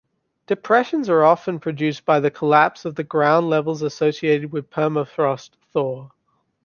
Depressions are often produced by the collapse of ground levels associated with permafrost thaw.